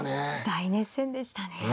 大熱戦でしたね。